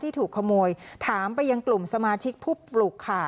ถูกขโมยถามไปยังกลุ่มสมาชิกผู้ปลุกค่ะ